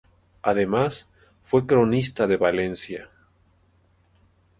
Además, fue cronista de Valencia.